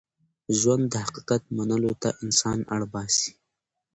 ژوند د حقیقت منلو ته انسان اړ باسي.